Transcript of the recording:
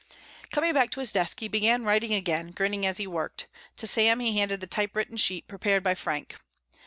Coming back to his desk he began writing again, grinning as he worked. To Sam he handed the typewritten sheet prepared by Frank.